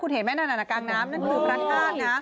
เห็นไหมนั่นกลางน้ำนั่นคือพระธาตุนะ